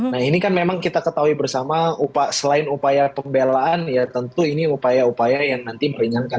nah ini kan memang kita ketahui bersama selain upaya pembelaan ya tentu ini upaya upaya yang nanti meringankan